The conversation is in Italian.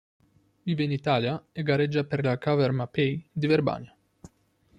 Vive in Italia e gareggia per la Cover Mapei di Verbania.